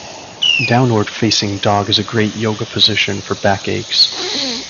Downward facing dog is a great Yoga position for back aches.